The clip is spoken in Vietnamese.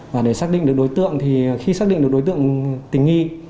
và để xác định được đối tượng thì khi xác định được đối tượng tình nghi